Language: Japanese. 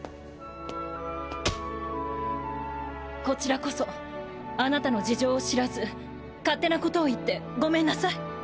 こちらこそあなたの事情を知らず勝手なことを言ってごめんなさい。